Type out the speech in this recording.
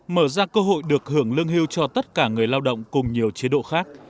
mở ra cơ hội được hưởng lương hưu cho tất cả người lao động cùng nhiều chế độ khác